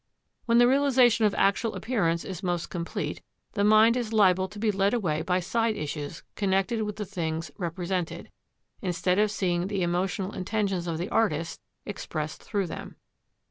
When the realisation of actual appearance is most complete, the mind is liable to be led away by side issues connected with the things represented, instead of seeing the emotional intentions of the artist expressed through them.